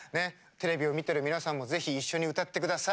テレビを見てる皆さんも是非一緒に歌ってください。